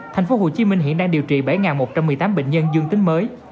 tp hcm hiện đang điều trị bảy một trăm một mươi tám bệnh nhân dương tính mới